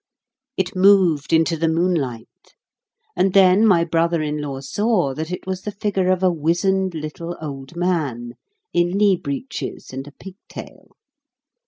It moved into the moonlight, and then my brother in law saw that it was the figure of a wizened little old man, in knee breeches and a pig tail.